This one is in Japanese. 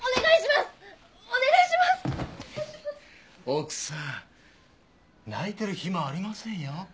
奥さん泣いてる暇はありませんよ。